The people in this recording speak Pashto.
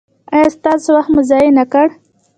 ایا ستاسو وخت مې ضایع نکړ؟